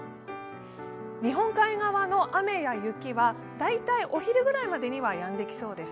日本海側の雨や雪は大体お昼ぐらいまでにはやんできそうです。